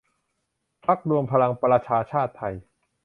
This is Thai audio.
พรรครวมพลังประชาชาติไทย